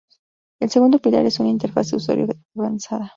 El segundo pilar es una interfaz de usuario de avanzada.